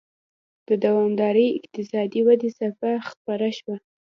د دوامدارې اقتصادي ودې څپه خپره شوه.